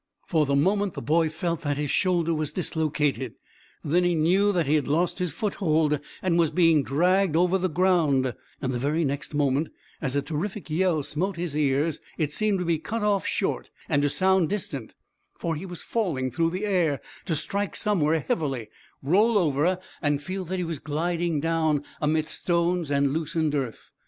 For the moment the boy felt that his shoulder was dislocated; then he knew that he had lost his foothold and was being dragged over the ground; and the very next moment, as a terrific yell smote his ears, it seemed to be cut off short and to sound distant, for he was falling through the air, to strike somewhere heavily, roll over and feel that he was gliding down amidst stones and loosened earth.